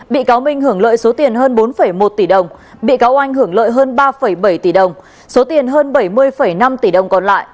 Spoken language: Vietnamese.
bị cáo minh hưởng lợi số tiền hơn bốn một tỷ đồng bị cáo oanh hưởng lợi hơn ba bảy tỷ đồng số tiền hơn bảy mươi năm tỷ đồng còn lại